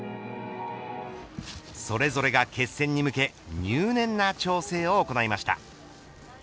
それぞれが決戦に向け入念な調整を行いました。